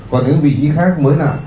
còn những vị trí khác mới là